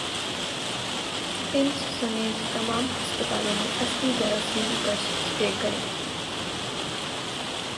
پمز سمیت تمام ھسپتالوں میں اصلی جراثیم کش سپرے کریں